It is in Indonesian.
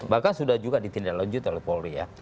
bahkan sudah juga ditindak lanjut oleh polis